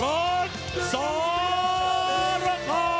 รักษา